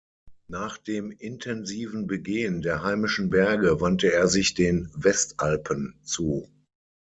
Nach dem intensiven Begehen der heimischen Berge wandte er sich den Westalpen zu.